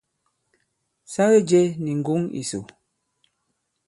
Sa jɛ̄ kì nì ŋgǒŋ ìsò.